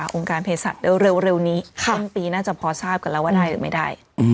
องค์การเพศสัตว์เร็วนี้ต้นปีน่าจะพอทราบกันแล้วว่าได้หรือไม่ได้